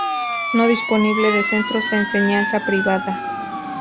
No dispone de centros de enseñanza privada.